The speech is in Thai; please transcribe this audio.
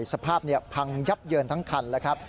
สภาพเนี่ยพังยับเยินทั้งคันนะครับ